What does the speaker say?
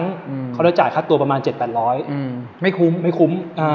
ก็จะได้จากคัดตัวประมาณ๗๐๐ประมาณ๘๐๐ประมาณไม่คุ้ม